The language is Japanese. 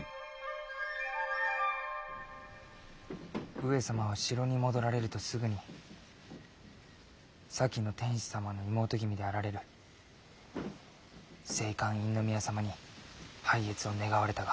上様は城に戻られるとすぐに先の天子様の妹君であられる静寛院宮様に拝謁を願われたが。